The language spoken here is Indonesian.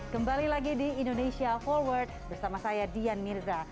kembali lagi di indonesia forward bersama saya dian mirza